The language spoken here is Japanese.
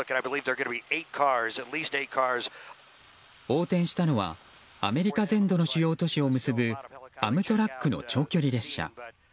横転したのはアメリカ全土の主要都市を結ぶアムトラックの長距離列車。